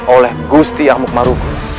oleh gusti amukmaru